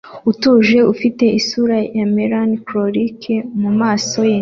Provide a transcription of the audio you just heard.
utuje ufite isura ya melancholike mumaso ye